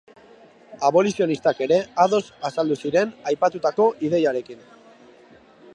Abolizionistak ere ados azaldu ziren aipatutako ideiarekin.